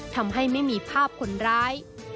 ทำให้ไม่มีภาพคนร้าย